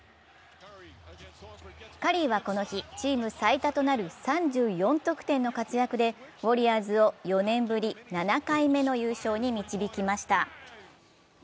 カリーはこの日、チーム最多となる３４得点の活躍で、ウォリアーズを４年ぶり７回目の優勝に導きました。